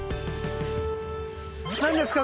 何ですか？